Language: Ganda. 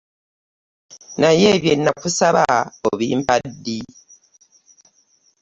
Naye bye nakusaba obimpa ddi?